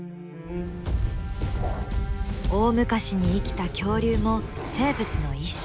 大昔に生きた恐竜も生物の一種。